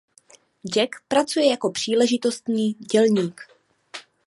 Jack pracuje jako příležitostný dělník.